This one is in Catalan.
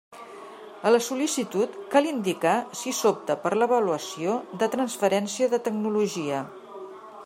A la sol·licitud cal indicar si s'opta per l'avaluació de transferència de tecnologia.